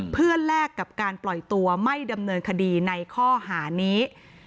เพื่อแลกกับการปล่อยตัวไม่ดำเนินคดีในข้อหานี้